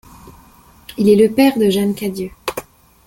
Il est le père de Jan Cadieux.